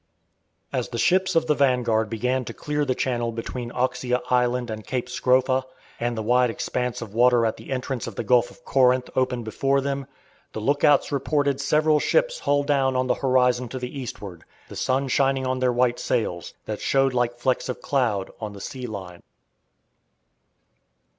As the ships of the vanguard began to clear the channel between Oxia Island and Cape Scropha, and the wide expanse of water at the entrance of the Gulf of Corinth opened before them, the look outs reported several ships hull down on the horizon to the eastward, the sun shining on their white sails, that showed like flecks of cloud on the sea line.